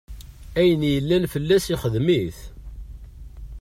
Ayen yellan fell-as ixdem-it.